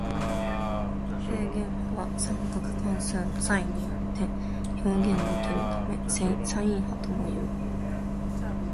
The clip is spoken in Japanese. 正弦波は三角関数のサインによって表現できるためサイン波ともいう。